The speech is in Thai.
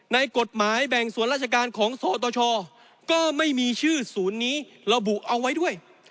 ในกฎหมายแบ่งส่วนราชการของสตชก็ไม่มีชื่อศูนย์นี้ระบุเอาไว้ด้วย